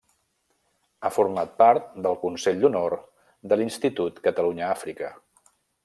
Ha format part del consell d'honor de l'Institut Catalunya Àfrica.